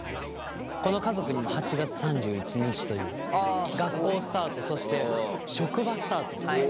この家族にも８月３１日という学校スタートそして職場スタートが訪れる。